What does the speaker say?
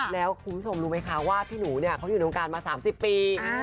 แล้วคุณผู้ชมรู้ไหมคะว่าพี่หนูเนี่ยเขาอยู่ในวงการมา๓๐ปี